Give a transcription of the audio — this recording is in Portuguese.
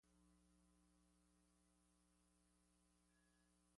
giratório, conformação, solos, secos, duros, arenoso, recortadas, terraços, tombamento